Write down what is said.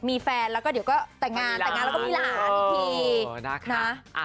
มีแฟนแล้วก็เดี๋ยวก็แต่งงานแต่งงานแล้วก็มีหลานอีกทีนะ